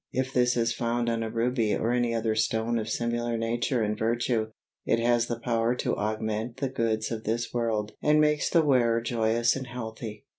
If this is found on a ruby or any other stone of similar nature and virtue, it has the power to augment the goods of this world and makes the wearer joyous and healthy.